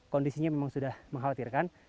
kondisinya memang sudah mengkhawatirkan